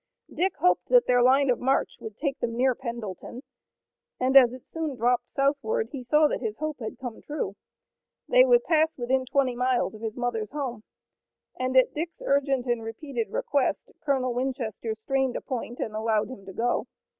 Dick hoped that their line of march would take them near Pendleton, and as it soon dropped southward he saw that his hope had come true. They would pass within twenty miles of his mother's home, and at Dick's urgent and repeated request, Colonel Winchester strained a point and allowed him to go.